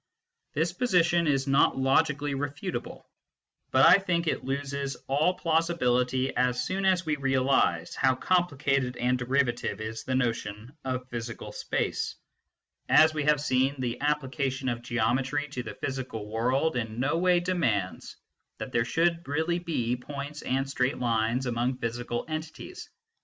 This position is not logically refutable, but I think it loses all plausibility as soon as we realise how complicated and derivative is the notion of physical space. As we have seen, the application of geometry to the physical world in no way demands that there should really be points and straight lines among physical entities.